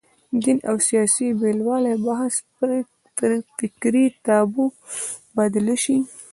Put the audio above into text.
دین او سیاست بېلوالي بحث فکري تابو بدله شي